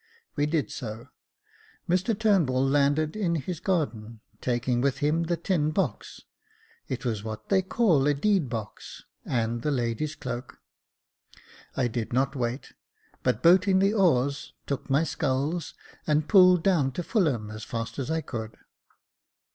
We did so , Mr Turnbull landed in his garden, taking with him the tin box (it was what they call a deed box), and the lady's cloak. I did not wait, but boating the oars, took my sculls and pulled down to Fulham as fast as I could.